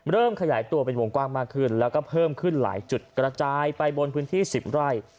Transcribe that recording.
ขยายตัวเป็นวงกว้างมากขึ้นแล้วก็เพิ่มขึ้นหลายจุดกระจายไปบนพื้นที่๑๐ไร่